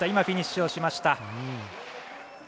フィニッシュしました。